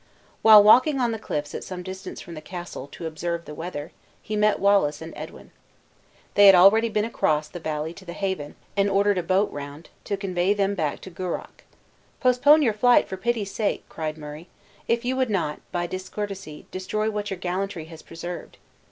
While walking on the cliffs at some distance from the castle to observe the weather, he met Wallace and Edwin. They had already been across the valley to the haven, and ordered a boat round, to convey them back to Gourock. "Postpone your flight, for pity's sake!" cried Murray, "if you would not, by discourtesy, destroy what your gallantry has preserved!"